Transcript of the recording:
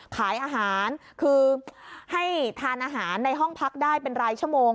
ขายอาหารคือให้ทานอาหารในห้องพักได้เป็นรายชั่วโมง